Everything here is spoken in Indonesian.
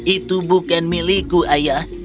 itu bukan milikku ayah